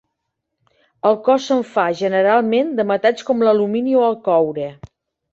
El cos se'n fa, generalment, de metalls com l'alumini o el coure.